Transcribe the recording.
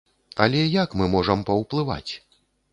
Але як мы можам паўплываць?!